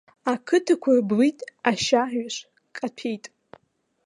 Ақыҭақәа рблит, ашьарҩаш каҭәеит!